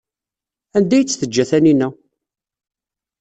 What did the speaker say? Anda ay tt-teǧǧa Taninna?